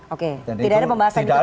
oke tidak ada pembahasan juga